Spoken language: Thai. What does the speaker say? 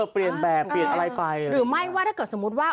เปลี่ยนอะไรไปหรือไม่ว่าถ้าเกิดสมมุติว่า